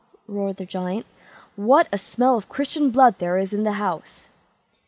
roared the Giant, "what a smell of Christian blood there is in the house!"